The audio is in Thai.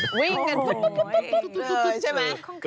วิ่งกันหมดเลยใช่ไหม